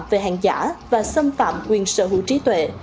về hàng giả và xâm phạm quyền sở hữu trí tuệ